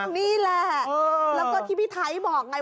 นี่แหละแล้วก็ที่พี่ไทยบอกไง